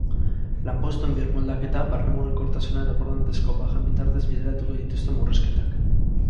Lanpostuen birmoldaketa, barne mugikortasuna eta borondatezko bajen bitartez bideratuko dituzte murrizketak.